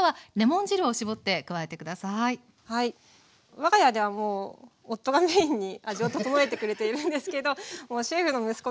我が家ではもう夫がメインに味を調えてくれているんですけどもうシェフの息子なんでもう。